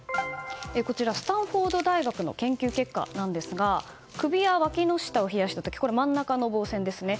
こちらスタンフォード大学の研究結果なんですが首やわきの下を冷やした時真ん中の棒線ですね。